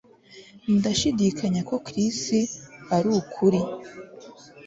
Ndashidikanya ko Chris arukuri